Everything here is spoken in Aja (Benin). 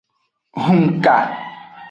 Hunka.